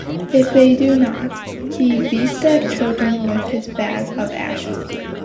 If they do not, he beats the children with his bag of ashes.